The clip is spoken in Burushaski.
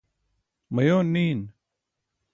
mayoon niin